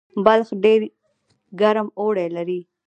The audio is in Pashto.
بلخ ډیر ګرم اوړی لري